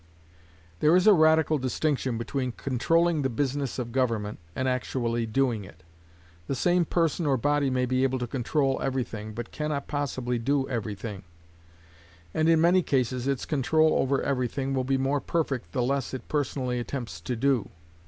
There is a radical distinction between controlling the business of government and actually doing it. The same person or body may be able to control every thing, but can not possibly do every thing; and in many cases its control over every thing will be more perfect the less it personally attempts to do.